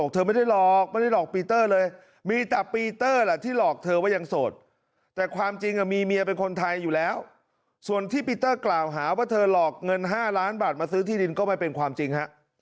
ถ้าเราหาว่าเธอหลอกเงิน๕ล้านบาทมาซื้อที่ดินก็ไม่เป็นความจริง